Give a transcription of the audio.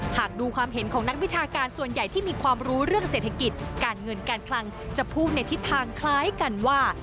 หากดูความเห็นของนักวิชาการส่วนใหญ่ที่มีความรู้เรื่องเศรษฐกิจการเงินการคลังจะพูดในทิศทางคล้ายกันว่า